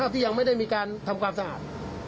ที่ยังไม่ได้มีการทำความสะอาด